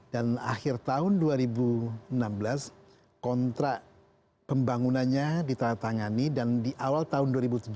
dan akhir tahun dua ribu enam belas kontrak pembangunannya ditandatangani dan di awal tahun dua ribu tujuh belas